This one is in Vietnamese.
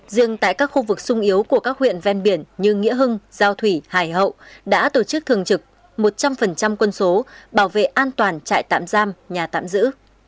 riêng tại các khu vực sung yếu của các huyện ven biển như nghĩa hưng giao thủy hải hậu đã tổ chức thường trực một trăm linh quân số bảo vệ an toàn chạy tạm giam nhà tạm giữ